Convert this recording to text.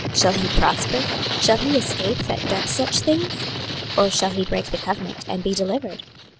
Shall he prosper? shall he escape that doeth such things? or shall he break the covenant, and be delivered?